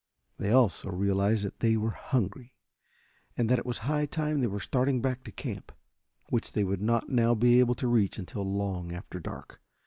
They also realized that they were hungry and that it was high time they were starting back to camp, which they would not now be able to reach until long after dark.